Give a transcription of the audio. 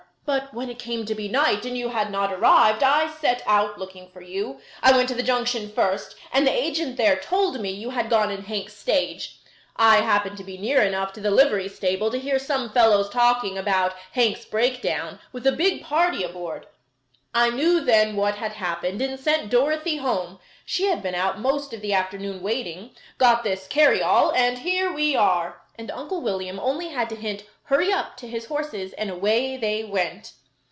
But when it came to be night and you had not arrived, I set out looking for you. I went to the Junction first, and the agent there told me you had gone in Hank's stage. I happened to be near enough to the livery stable to hear some fellows talking about Hank's breakdown, with a big party aboard. I knew then what had happened, and sent Dorothy home, she had been out most of the afternoon waiting got this carryall, and here we are," and Uncle William only had to hint "hurry up" to his horses and away they went.